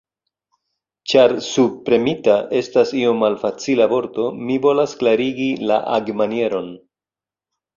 Ĉar 'subpremita' estas iom malfacila vorto, mi volas klarigi la agmanieron.